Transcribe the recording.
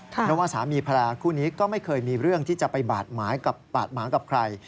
แล้วว่าสามีภรรยาคู่นี้ก็ไม่เคยมีเรื่องที่จะไปบาดหมางกับใคร